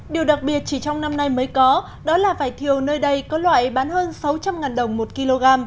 điều đặc biệt chỉ trong năm nay mới có đó là vải thiều nơi đây có loại bán hơn sáu trăm linh đồng một kg